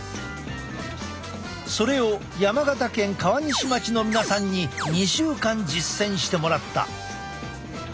それを山形県川西町の皆さんに２週間実践してもらった。